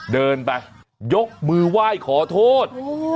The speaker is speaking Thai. เดินไปยกมือไหว้ขอโทษ